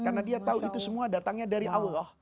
karena dia tahu itu semua datangnya dari allah